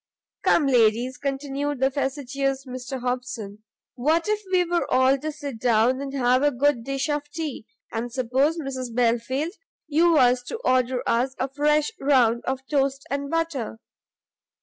"Come, ladies," continued the facetious Mr Hobson, "what if we were all to sit down, and have a good dish of tea? and suppose, Mrs Belfield, you was to order us a fresh round of toast and butter?